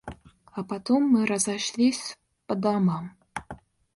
А потом мы разошлись по домам.